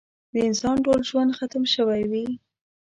د انسان ټول ژوند ختم شوی وي.